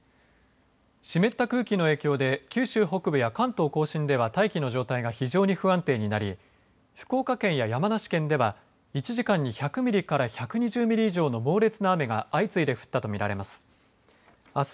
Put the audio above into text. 湿った空気の影響で九州北部や関東甲信では大気の状態が非常に不安定になり福岡県や山梨県では１時間に１００ミリから１２０ミリ以上の猛烈な雨が相次いで降ったと見られます。